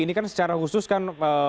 ini kan secara khusus kan